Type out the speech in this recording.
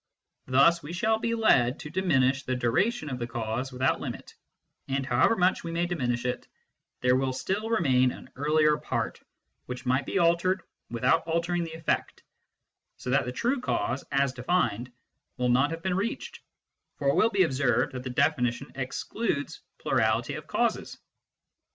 Thus we shall be led to diminish the duration of the cause without limit, and however much we may diminish it, there will still remain an earlier part which might be altered without altering the effect, so that the true cause, as defined, will not have been reached, for it will be obsejved that the definition excludes plurality of causes.